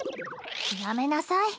やめなさい。